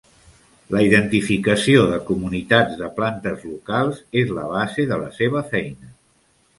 La identificació de comunitats de plantes locals és la base de la seva feina.